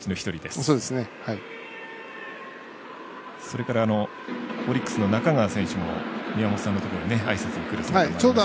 それからオリックスの中川選手も宮本さんのところにあいさつに来るシーンもありましたね。